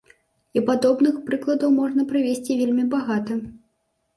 І падобных прыкладаў можна прывесці вельмі багата.